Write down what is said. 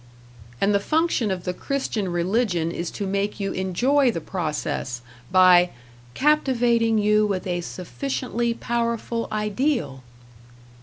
And the function of the Christian religion is to make you enjoy the process, by "captivating you with a sufficiently powerful ideal"!